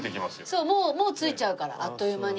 そうもう着いちゃうからあっという間に。